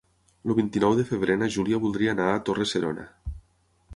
El vint-i-nou de febrer na Júlia voldria anar a Torre-serona.